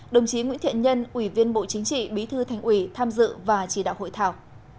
đồng chí nguyễn thiện nhân ủy viên bộ chính trị bí thư thành ủy tham dự và chỉ đạo hội thảo